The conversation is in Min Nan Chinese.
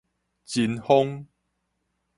秦風